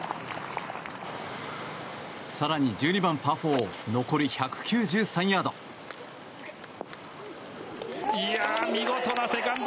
更に１２番、パー４残り１９３ヤード。